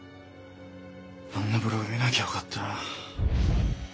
あんなブログ見なきゃよかったな。